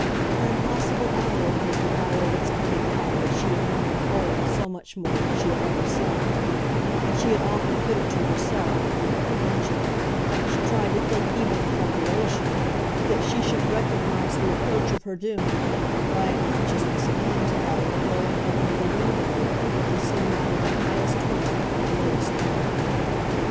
Her impossible hour was the hour of its coming out that she had known of old so much more than she had ever said; and she had often put it to herself, in apprehension, she tried to think even in preparation, that she should recognise the approach of her doom by a consciousness akin to that of the blowing open of a window on some night of the highest wind and the lowest thermometer.